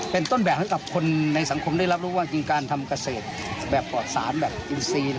เป็นต้นแบบให้กับคนในสังคมได้รับรู้ว่าจริงการทำเกษตรแบบปลอดสารแบบอินซี